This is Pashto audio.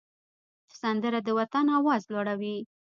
سندره د وطن آواز لوړوي